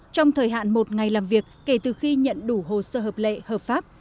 trong thời hạn một ngày làm việc kể từ khi nhận đủ hồ sơ hợp lệ hợp pháp